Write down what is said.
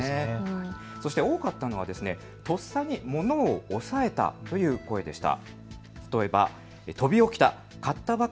そして多かったのはとっさに物を押さえたという声でした。